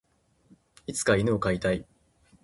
いつか犬を飼いたい。